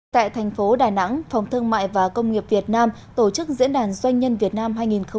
tại thành phố đà nẵng phòng thương mại và công nghiệp việt nam tổ chức diễn đàn doanh nhân việt nam hai nghìn một mươi chín